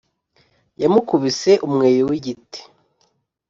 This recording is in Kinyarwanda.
yamukubise umweyo wigiti